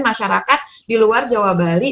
masyarakat di luar jawa bali